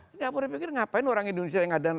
singapura pikir ngapain orang indonesia yang ada